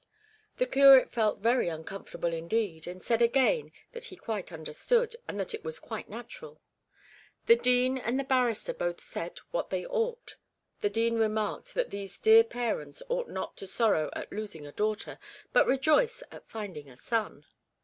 The curate felt very uncomfortable indeed, and said again that he quite understood, and that it was quite natural. The dean and the barrister both said what they ought. The dean remarked that these dear parents ought not to sorrow at losing a daughter, but rejoice at finding a son.